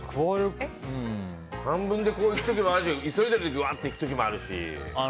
半分でこういく時もあるし急いでるとわーっといく時もあるし。